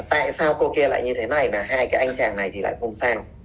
tại sao cô kia lại như thế này mà hai cái anh chàng này thì lại không sao